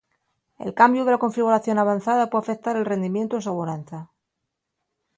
El cambéu de la configuración avanzada pue afeutar al rindimientu o seguranza.